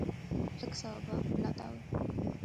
ფლექსაობა-ბლატავი